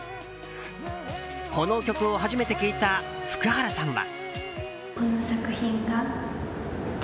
この曲を初めて聴いた福原さんは。